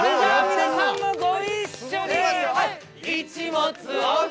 皆さんもご一緒に！